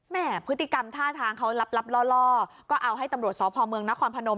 พฤติกรรมท่าทางเขาลับล่อก็เอาให้ตำรวจสพเมืองนครพนม